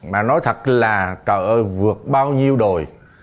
mà nói thật là trời ơi vượt bao nhiêu đồi